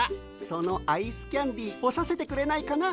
そのアイスキャンデーほさせてくれないかな。